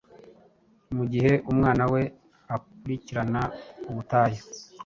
Mugihe Umwana we akurikirana Ubutayu,